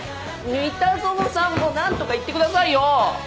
三田園さんもなんとか言ってくださいよ！